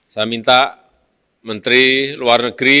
saya minta menteri luar negeri